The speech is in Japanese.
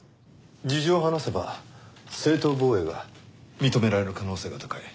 事情を話せば正当防衛が認められる可能性が高い。